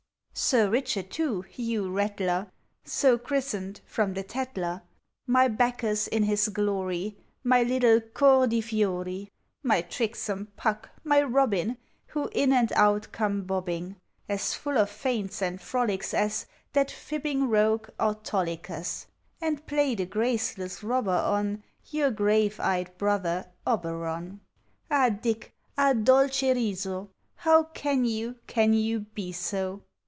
— Sir Richard, too, you rattler, So christened from the Tattler, POEMS OF HOME. My Bacchus in his glory, My little Cor di fiori, My tricksome Puck, my Robin, Who in and out conic bobbing, As full of feints and frolics as That fibbing rogue Autolycus, And play the graceless robber on Your grave eyed brother Oberon, — Ah Dick, ah Dolce riso, How can you, can you be so?